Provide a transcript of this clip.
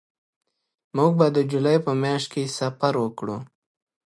موږ به د جولای په میاشت کې سفر وکړو